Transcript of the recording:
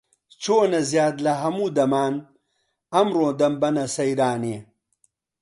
چۆنە زیاد لە هەموو دەمان، ئەمڕۆ دەمبەنە سەیرانێ؟